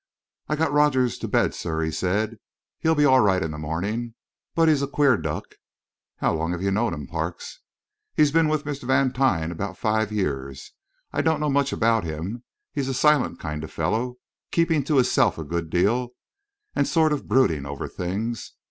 "I got Rogers to bed, sir," he said. "He'll be all right in the morning. But he's a queer duck." "How long have you known him, Parks?" "He's been with Mr. Vantine about five years. I don't know much about him; he's a silent kind of fellow, keeping to hisself a good deal and sort of brooding over things.